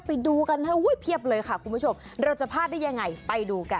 ไปดูกันให้อุ้ยเพียบเลยค่ะคุณผู้ชมเราจะพลาดได้ยังไงไปดูกัน